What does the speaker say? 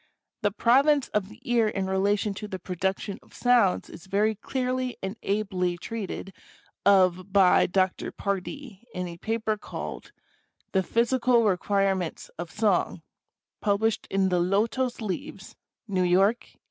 The province of the ear in relation to the production of sounds is very clearly and ably treated of by Dr. Pardee, in a paper called "The Physical Requirements of Song," published in the Lotos Leaves, New York, 1875.